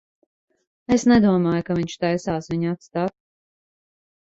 Es nedomāju, ka viņš taisās viņu atstāt.